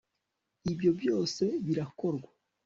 ibyo byose birakorwa